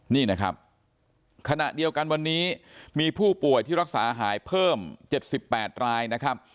นี่นะครับขณะเดียวกันวันนี้มีผู้ป่วยที่รักษาหายเพิ่ม๗๘รายนะครับ